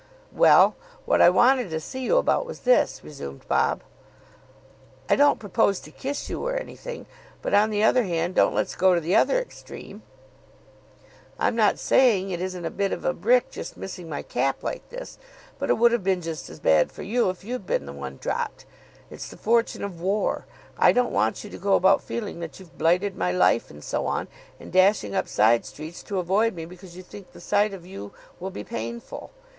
"Well, what I wanted to see you about was this," resumed Bob. "I don't propose to kiss you or anything; but, on the other hand, don't let's go to the other extreme. I'm not saying that it isn't a bit of a brick just missing my cap like this, but it would have been just as bad for you if you'd been the one dropped. It's the fortune of war. I don't want you to go about feeling that you've blighted my life, and so on, and dashing up side streets to avoid me because you think the sight of you will be painful.